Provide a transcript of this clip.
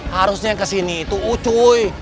harusnya kesini itu ucuy